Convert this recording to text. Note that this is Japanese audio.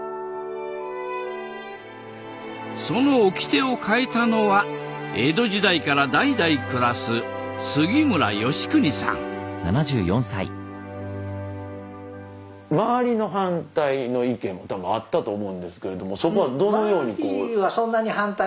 そのおきてを変えたのは江戸時代から代々暮らす周りの反対の意見も多分あったと思うんですけれどもそこはどのようにこう。